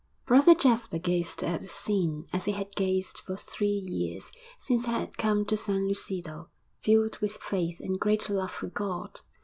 Brother Jasper gazed at the scene as he had gazed for three years since he had come to San Lucido, filled with faith and great love for God.